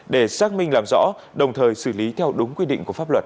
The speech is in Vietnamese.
để xác minh làm rõ đồng thời xử lý theo đúng quy định của pháp luật